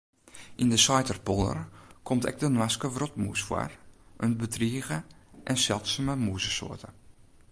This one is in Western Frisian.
Yn de Saiterpolder komt ek de Noardske wrotmûs foar, in bedrige en seldsume mûzesoarte.